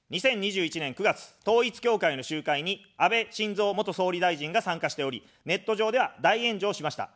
２０２１年９月、統一教会の集会に安倍晋三元総理大臣が参加しており、ネット上では大炎上しました。